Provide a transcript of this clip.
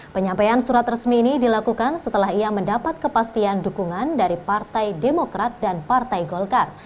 penyampaian surat resmi ini dilakukan setelah ia mendapat kepastian dukungan dari partai demokrat dan partai golkar